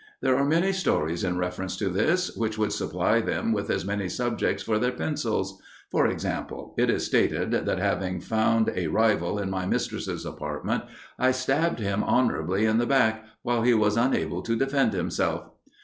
There are many stories in reference to this, which would supply them with as many subjects for their pencils; for example, it is stated that, having found a rival in my mistress' apartment, I stabbed him honourably in the back, while he was unable to defend himself.